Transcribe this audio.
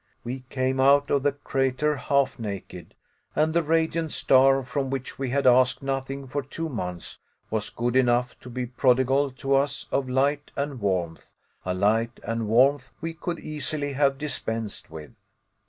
We came out of the crater half naked, and the radiant star from which we had asked nothing for two months, was good enough to be prodigal to us of light and warmth a light and warmth we could easily have dispensed with.